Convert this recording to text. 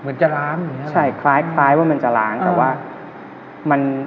เหมือนจะล้างใช่คล้ายว่ามันจะล้างแต่ว่ามัน